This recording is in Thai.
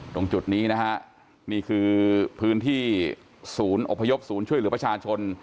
ตรงจุดนี้นะฮะนี่คือพื้นที่ศูนย์อพยพศูนย์ช่วยเหลือประชาชน